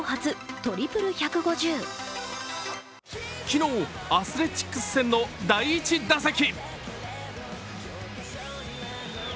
昨日アスレチックス戦の第１打席。